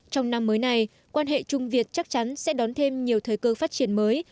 trong năm mới này quan hệ trung việt chắc chắn sẽ đón thêm nhiều thời cơ phát triển mới